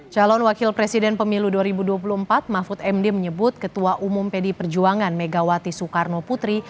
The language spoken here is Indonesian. calon wakil presiden pemilu dua ribu dua puluh empat mahfud md menyebut ketua umum pdi perjuangan megawati soekarno putri